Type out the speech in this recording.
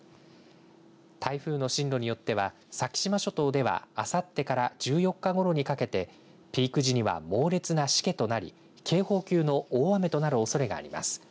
台風の進路によっては先島諸島ではあさってから１４日ごろにかけてピーク時には猛烈な、しけとなり警報級の大雨となるおそれがあります。